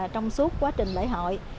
trong suốt quá trình lễ hội